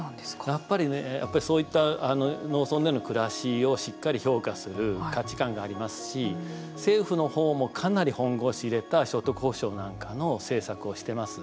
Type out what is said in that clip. やっぱりねそういった農村での暮らしをしっかり評価する価値観がありますし政府のほうも、かなり本腰入れた所得保証なんかの政策をしてます。